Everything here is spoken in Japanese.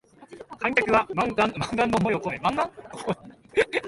観客は万感の思いをこめ声援を送る